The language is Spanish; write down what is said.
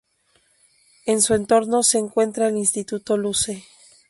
En su entorno se encuentra el Instituto Luce.